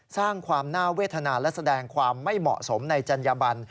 สร้างความน่าเวทนาและแสดงความไม่เหมาะสมในจัญญบัน